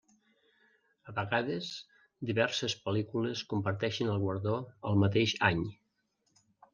A vegades, diverses pel·lícules comparteixen el guardó el mateix any.